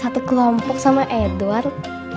satu kelompok sama edward